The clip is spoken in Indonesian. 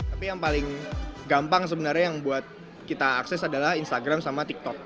tapi yang paling gampang sebenarnya yang buat kita akses adalah instagram sama tiktok